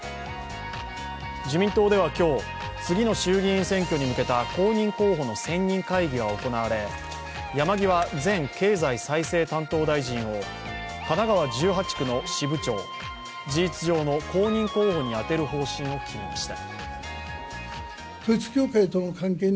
自民党では今日、次の衆議院選挙に向けた公認候補の選任会議が行われ山際前経済再生担当大臣を神奈川１８区の支部長事実上の後任候補に充てる方針を決めました。